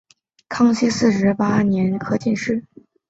康熙四十八年己丑科进士。